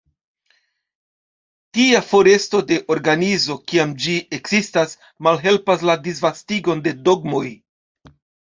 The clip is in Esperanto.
Tia foresto de organizo, kiam ĝi ekzistas, malhelpas la disvastigon de dogmoj.